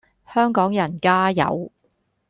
香港人加油